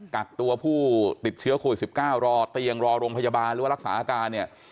กักตัวผู้ติดเชื้อโควิด๑๙รอเตียงรอโรงพยาบาลหรือว่ารักษาอาการเนี่ย